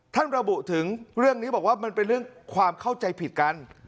ระบุถึงเรื่องนี้บอกว่ามันเป็นเรื่องความเข้าใจผิดกัน